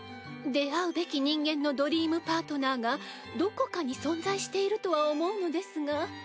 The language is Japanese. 出会うべき人間のドリームパートナーがどこかに存在しているとは思うのですが。